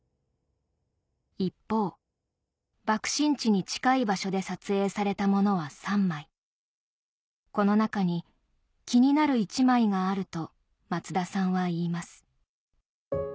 一方爆心地に近い場所で撮影されたものは３枚この中に気になる１枚があると松田さんは言います